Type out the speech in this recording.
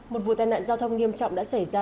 một vụ tai nạn giao thông nghiêm trọng đã xảy ra